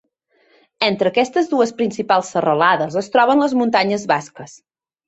Entre aquestes dues principals serralades es troben les Muntanyes Basques.